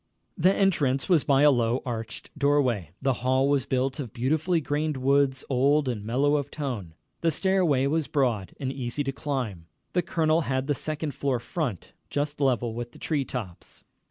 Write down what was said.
The entrance was by a low, arched doorway. The hall was built of beautifully grained woods, old and mellow of tone. The stairway was broad and easy to climb. The colonel had the second floor front, just level with the tree tops.